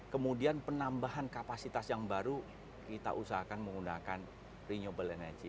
kemudian penambahan kapasitas yang baru kita usahakan menggunakan renewable energy